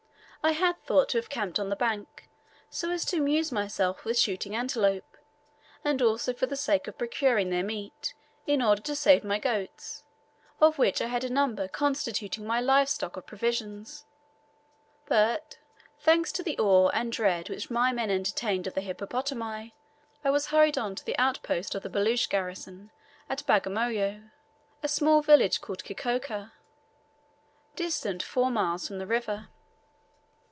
I had thought to have camped on the bank, so as to amuse myself with shooting antelope, and also for the sake of procuring their meat, in order to save my goats, of which I had a number constituting my live stock of provisions; but, thanks to the awe and dread which my men entertained of the hippopotami, I was hurried on to the outpost of the Baluch garrison at Bagamoyo, a small village called Kikoka, distant four miles from the river.